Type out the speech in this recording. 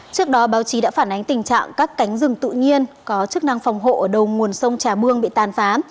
trước đó báo chí đã phản ánh tình trạng các cánh rừng tự nhiên có chức năng phòng hộ ở đầu nguồn sông trà bông bị tàn phá